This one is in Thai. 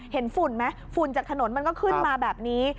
ฝุ่นไหมฝุ่นจากถนนมันก็ขึ้นมาแบบนี้